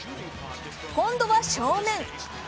今度は正面。